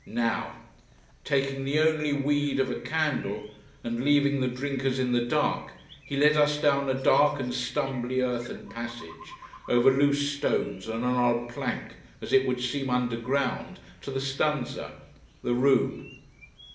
Now! Taking the only weed of a candle, and leaving the drinkers in the dark, he led us down a dark and stumbly earthen passage, over loose stones and an odd plank, as it would seem underground, to the stanza: the room.